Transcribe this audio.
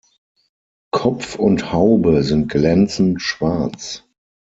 Kopf und Haube sind glänzend schwarz.